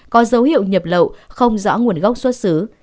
có dấu hiệu nhập lậu không rõ nguồn gốc xuất xứ